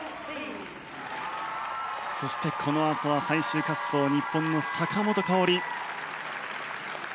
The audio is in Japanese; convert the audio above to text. そして、このあとは最終滑走日本の坂本花織。